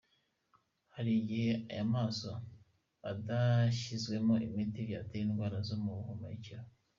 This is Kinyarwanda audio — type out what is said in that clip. Hari n’igihe aya maso adashyizwemo imiti byatera indwara zo mu buhumekero.